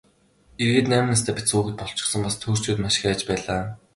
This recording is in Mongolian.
Эргээд найман настай бяцхан хүүхэд болчихсон, бас төөрчхөөд маш их айж байлаа.